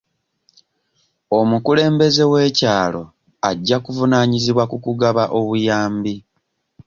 Omukulembeze w'ekyalo ajja kuvunaanyizibwa ku kugaba obuyambi.